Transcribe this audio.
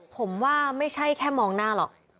ผมว่าไม่ใช่แค่มองหน้าหรอก